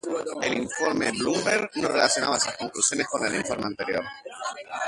El informe Bloomberg no relacionaba estas conclusiones con el informe anterior.